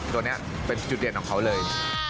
ตัวนี้เป็นจุดเด่นของเขาเลย